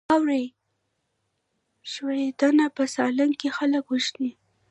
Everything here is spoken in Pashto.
واورې ښویدنه په سالنګ کې خلک وژني؟